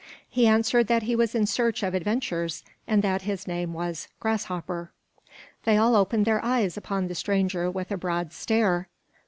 He answered that he was in search of adventures and that his name was "Grasshopper." They all opened their eyes upon the stranger with a broad stare.